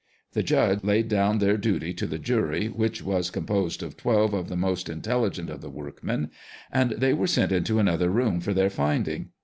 The "judge" laid down their duty to the jury, which was composed of twelve of the most intelligent of the workmen, and they were sent into another room for their finding.